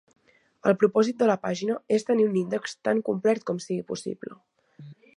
El propòsit de la pàgina és tenir un index tan complert com sigui possible.